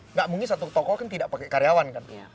tidak mungkin satu toko tidak pakai karyawan kan